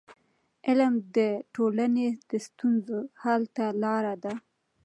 علم د ټولنې د ستونزو حل ته لار ده.